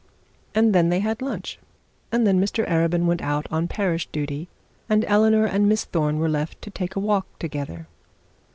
And then they had lunch, and then Mr Arabin went out on parish duty; and Eleanor and Miss Thorne were left to take a walk together.